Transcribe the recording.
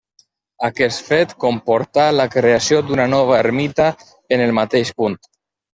Aquest fet comportà la creació d'una nova ermita en el mateix punt.